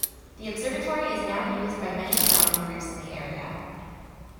The observatory is now used by many astronomy groups in the area.